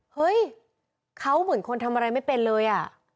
เฮ้ยเขาเหมือนคนทำอะไรไม่เป็นเลยอ่ะ